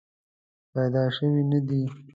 پیدا شوې نه دي.